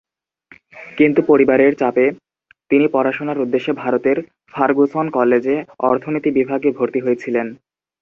কিন্তু পরিবারে চাপে তিনি পড়াশোনার উদ্দেশ্যে ভারতের ফার্গুসন কলেজে অর্থনীতি বিভাগে ভর্তি হয়েছিলেন।